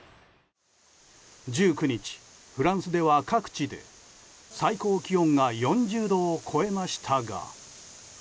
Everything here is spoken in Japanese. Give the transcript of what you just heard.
１９日、フランスでは各地で最高気温が４０度を超えましたが。